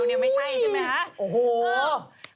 ไม่ใช่ใช่ไหมคะ